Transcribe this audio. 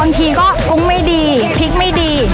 บางทีก็กุ้งไม่ดีพริกไม่ดี